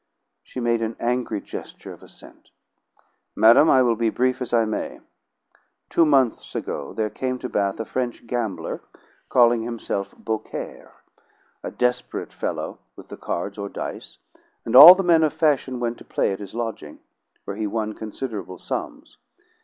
She made an angry gesture of assent. "Madam, I will be brief as I may. Two months ago there came to Bath a French gambler calling himself Beaucaire, a desperate fellow with the cards or dice, and all the men of fashion went to play at his lodging, where he won considerable sums.